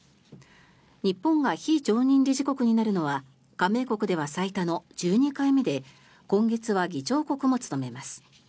日本が非常任理事国になるのは加盟国では最多の１２回目で今月は議長国も務めます。